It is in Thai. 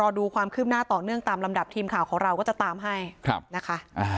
ดูความคืบหน้าต่อเนื่องตามลำดับทีมข่าวของเราก็จะตามให้นะคะ